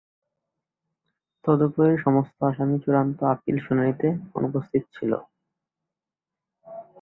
তদুপরি, সমস্ত আসামি চূড়ান্ত আপিল শুনানিতে অনুপস্থিত ছিল।